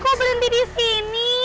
kok berhenti di sini